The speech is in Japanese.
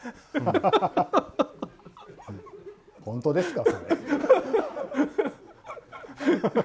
本当ですか？